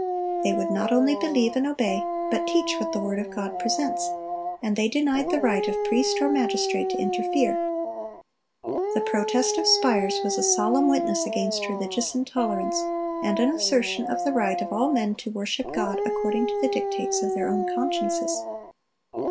They would not only believe and obey, but teach what the word of God presents, and they denied the right of priest or magistrate to interfere. The Protest of Spires was a solemn witness against religious intolerance, and an assertion of the right of all men to worship God according to the dictates of their own consciences.